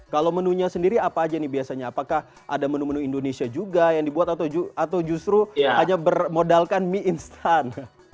kalau menunya sendiri apa aja nih biasanya apakah ada menu menu indonesia juga yang dibuat atau justru hanya bermodalkan mie instan